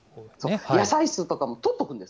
野菜室とかも撮っておくんです。